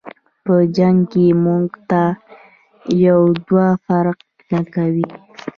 په جنګ کی مونږ ته یو دوه فرق نکوي.